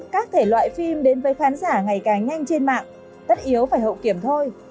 các thể loại phim đến với khán giả ngày càng nhanh trên mạng tất yếu phải hậu kiểm thôi